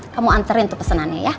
kamu anterin tuh pesanannya ya